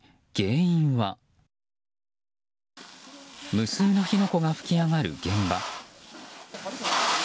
無数の火の粉が噴き上がる現場。